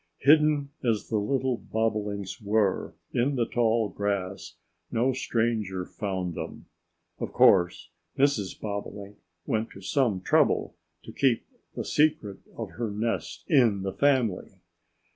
Hidden as the little Bobolinks were in the tall grass, no stranger found them. Of course, Mrs. Bobolink went to some trouble to keep the secret of her nest in the family.